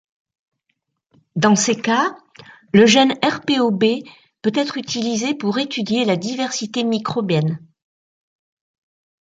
Dans ces cas, le gène rpoB peut être utilisé pour étudier la diversité microbienne.